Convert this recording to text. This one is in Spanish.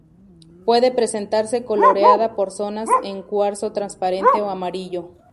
Puede presentarse coloreada por zonas con cuarzo transparente o amarillo.